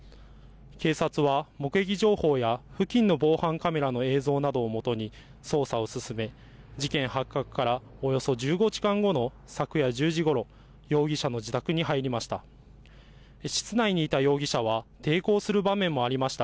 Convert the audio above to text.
警察は目撃情報や付近の防犯カメラの映像などをもとに捜査を進め、事件発覚からおよそ１５時間後の昨夜１０時ごろ、容疑者の自宅に入りました。